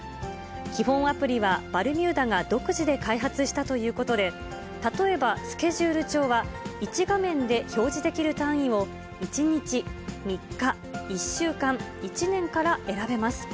基本アプリはバルミューダが独自で開発したということで、例えばスケジュール帳は、１画面で表示できる単位を１日、３日、１週間、１年から選べます。